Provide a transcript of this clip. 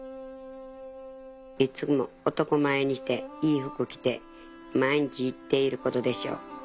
いっつも男前にしていい服着て毎日行っていることでしょう。